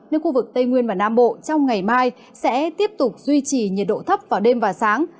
nên khu vực tây nguyên và nam bộ trong ngày mai sẽ tiếp tục duy trì nhiệt độ thấp vào đêm và sáng